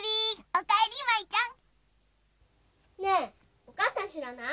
おかえり舞ちゃん。ねえおかあさんしらない？